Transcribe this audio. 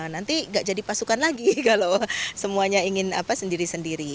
nanti gak jadi pasukan lagi kalau semuanya ingin sendiri sendiri